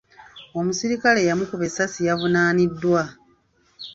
Omuserikale eyamukuba essasi yavunaaniddwa.